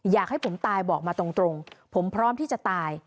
อยากให้ผมตายบอกมาตรงผมพร้อมที่จะตาย